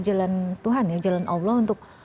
jalan tuhan ya jalan allah untuk